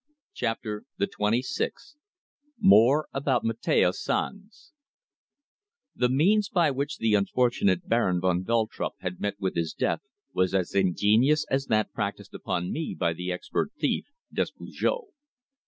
CHAPTER THE TWENTY SIXTH MORE ABOUT MATEO SANZ The means by which the unfortunate Baron van Veltrup had met with his death was as ingenious as that practised upon me by the expert thief, Despujol.